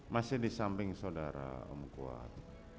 masih di samping saudara om kuat